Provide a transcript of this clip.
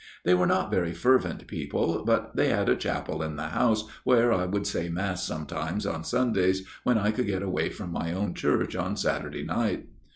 They were not very fer vent people, but they had a chapel in the house where I would say Mass sometimes on Sundays, when I could get away from my own church on Saturday night.